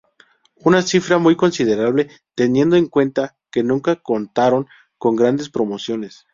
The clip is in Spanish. Una cifra muy considerable teniendo en cuenta que nunca contaron con grandes promociones.